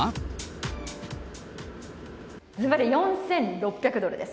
ずばり４６００ドルです。